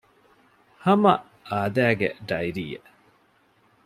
ހަމަ އާދައިގެ ޑައިރީއެއް